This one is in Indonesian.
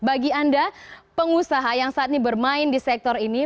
bagi anda pengusaha yang saat ini bermain di sektor ini